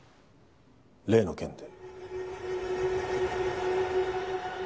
例の件で。